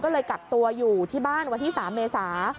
ก็เลยกักตัวอยู่ที่บ้านวันที่๓เมษา